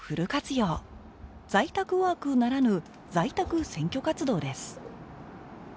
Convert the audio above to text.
在宅ワークならぬ在宅選挙活動です